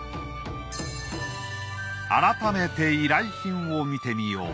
改めて依頼品を見てみよう。